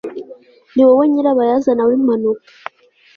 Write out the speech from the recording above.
Niwowe nyirabayazana wimpanuka